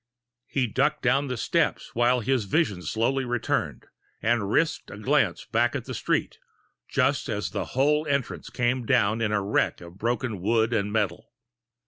He ducked down the steps, while his vision slowly returned, and risked a glance back at the street just as the whole entrance came down in a wreck of broken wood and metal.